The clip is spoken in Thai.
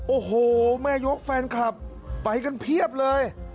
โอ้โหแม่ยกแฟนคลับไปกันเพียบเลย